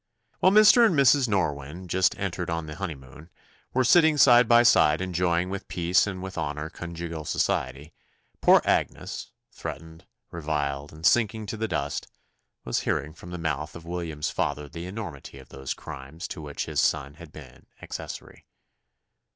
While Mr. and Mrs. Norwynne, just entered on the honeymoon, were sitting side by side enjoying with peace and with honour conjugal society, poor Agnes, threatened, reviled, and sinking to the dust, was hearing from the mouth of William's father the enormity of those crimes to which his son had been accessory.